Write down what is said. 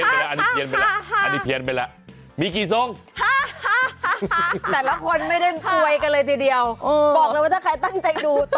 บอกเลยว่าถ้าใครตั้งใจดู